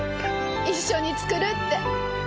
一緒に作るって。